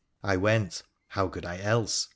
' I went— how could I else ?